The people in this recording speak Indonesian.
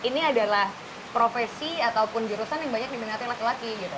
tapi menurutku ini adalah profesi atau jurusan yang banyak diminati laki laki gitu